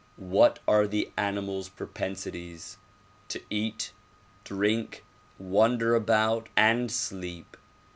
What are the animals' propensities? To eat, drink, wander about and sleep.